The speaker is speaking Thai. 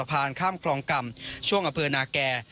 เพื่อข้ามจุดที่น้ำเนียสกประเวนคอสะพานข้ามคลองกรรมช่วงอำเภอนาแก่